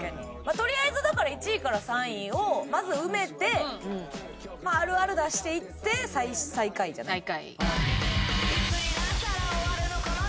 とりあえずだから１位から３位をまず埋めてあるある出していって最下位じゃない？